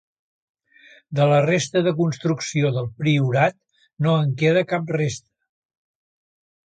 De la resta de construcció del priorat no en queda cap resta.